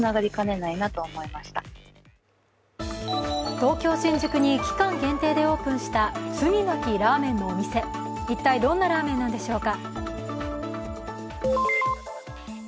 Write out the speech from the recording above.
東京・新宿に、期間限定でオープンした罪なきラーメンのお店一体どんなラーメンなんでしょうか。